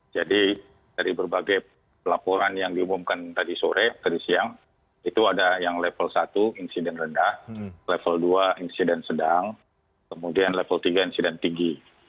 jadi dari berbagai laporan yang diumumkan tadi sore tadi siang itu ada yang level satu insiden rendah level dua insiden sedang kemudian level tiga insiden tinggi